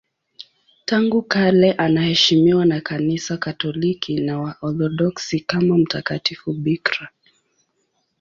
Tangu kale anaheshimiwa na Kanisa Katoliki na Waorthodoksi kama mtakatifu bikira.